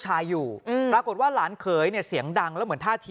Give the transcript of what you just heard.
อยู่ปรากฏว่าหลานเขยเนี่ยเสียงดังแล้วเหมือนท่าที